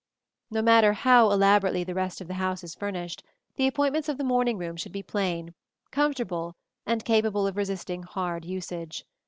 ] No matter how elaborately the rest of the house is furnished, the appointments of the morning room should be plain, comfortable, and capable of resisting hard usage.